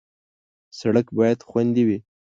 سړک باید خوندي وي.